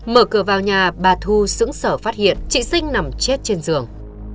mở cửa vào nhà bà thu xứng sở phát hiện chị sinh nằm chết trên giường